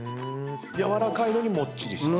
やわらかいのにもっちりしてる？